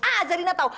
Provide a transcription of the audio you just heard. ah zarina tau